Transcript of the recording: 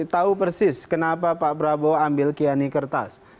tahu persis kenapa pak prabowo ambil kiani kertas